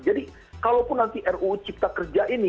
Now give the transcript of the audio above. jadi kalau pun nanti ruu cipta kerja ini